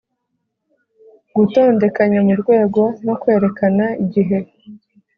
gutondekanya murwego no kwerekana igihe.